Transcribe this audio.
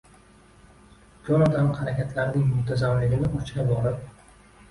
Jonatan harakatlarining muntazamligini oshira borib